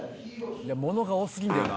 「物が多すぎんだよな」